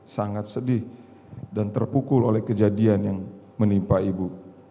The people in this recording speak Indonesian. saya terpukul oleh kejadian yang menimpa ibu